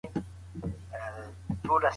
د غریبو خلګو ږغ باید واورېدل سي.